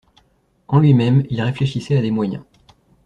En lui-même il réfléchissait à des moyens.